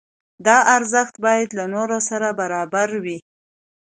دا ارزښت باید له نورو سره برابر وي.